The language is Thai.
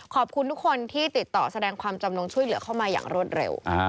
ขอบคุณทุกคนที่ติดต่อแสดงความจำนงช่วยเหลือเข้ามาอย่างรวดเร็ว